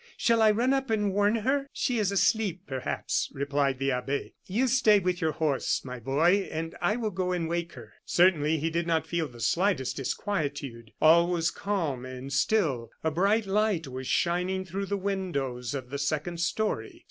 Shall I run up and warn her?" "She is asleep, perhaps," replied the abbe; "you stay with your horse, my boy, and I will go and wake her." Certainly he did not feel the slightest disquietude. All was calm and still; a bright light was shining through the windows of the second story.